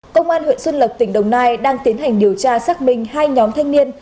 công an huyện xuân lộc tỉnh đồng nai đang tiến hành điều tra xác minh hai nhóm thanh niên